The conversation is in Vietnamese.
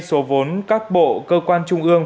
số vốn các bộ cơ quan trung ương